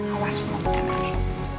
awas mau kena nih